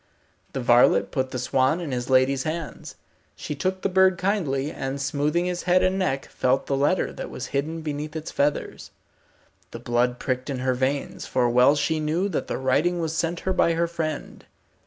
The varlet put the swan in his lady's hands. She took the bird kindly, and smoothing his head and neck, felt the letter that was hidden beneath its feathers. The blood pricked in her veins, for well she knew that the writing was sent her by her friend.